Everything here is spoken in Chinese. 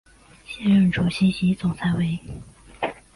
现任主席及总裁为。